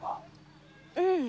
うん。